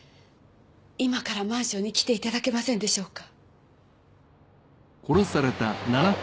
今からマンションに来ていただけませんでしょうか？